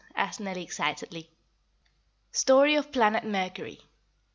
asked Nellie excitedly. STORY OF PLANET MERCURY.